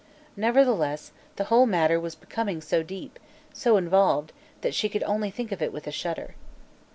Nevertheless, the whole matter was becoming so deep, so involved that she could only think of it with a shudder.